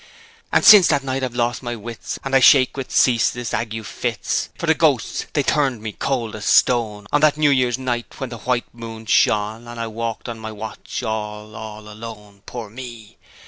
And since that night I've lost my wits, And I shake with ceaseless ague fits: For the ghosts they turned me cold as stone, On that New Year's night when the white moon shone, And I walked on my watch, all, all alone Poor me!